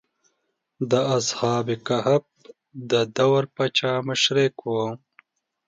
د اصحاب کهف د دور پاچا مشرک و.